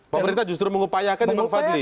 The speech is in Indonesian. pemerintah justru mengupayakan memang fadli